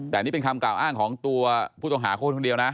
แต่นี่เป็นคำกล่าวอ้างของตัวผู้ต้องหาคนคนเดียวนะ